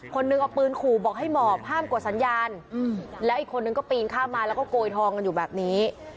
คนหนึ่งเอาปืนขู่บอกให้หมอบห้ามกดสัญญาณแล้วอีกคนนึงก็ปีนข้ามมาแล้วก็โกยทองกันอยู่แบบนี้